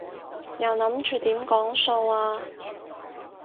又諗住點講數啊？